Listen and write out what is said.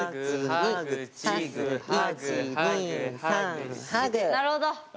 あなるほど！